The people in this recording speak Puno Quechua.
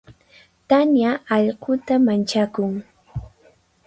Tania allquta manchakun.